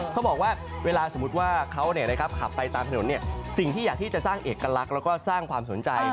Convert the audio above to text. เขาบอกว่าเวลาสมมุติว่าเขาขับไปตามถนนสิ่งที่อยากที่จะสร้างเอกลักษณ์แล้วก็สร้างความสนใจ